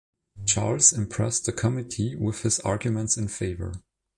Charles impressed the committee with his arguments in favour.